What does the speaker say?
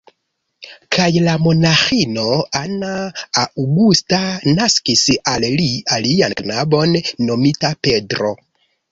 Kaj la monaĥino Ana Augusta naskis al li alian knabon nomita Pedro.